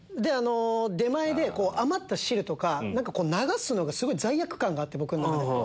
出前で余った汁とか流すのが罪悪感があって僕の中で。